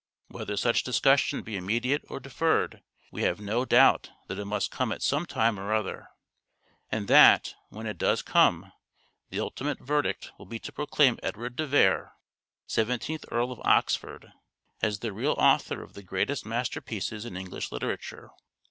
Whether such discussion be immediate or deferred, we have no doubt that it must come at some time or other, and that, when it does come, the ultimate verdict will be to proclaim Edward de Vere, Seventeenth Earl of Oxford, as the real author of the greatest master pieces in English literature.